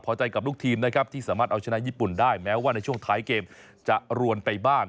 พอใจกับลูกทีมนะครับที่สามารถเอาชนะญี่ปุ่นได้แม้ว่าในช่วงท้ายเกมจะรวนไปบ้าง